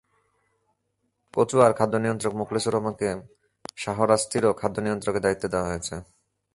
কচুয়ার খাদ্য নিয়ন্ত্রক মোখলেছুর রহমানকে শাহরাস্তিরও খাদ্য নিয়ন্ত্রকের দায়িত্ব দেওয়া হয়েছে।